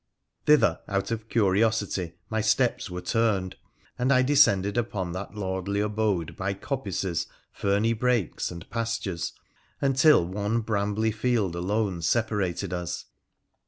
Thither, out of curiosity, my steps were turned, and I descended upon that lordly abode by coppices, ferny brakes, and pastures, until one brambly field alone separated us.